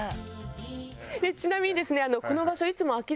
ちなみにですね。